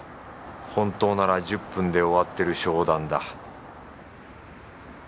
本当なら１０分で終わってる商談だ